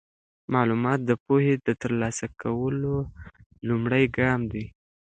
معلومات د پوهې د ترلاسه کولو لومړی ګام دی.